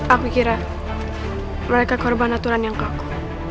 aku kira mereka korban aturan yang kokoh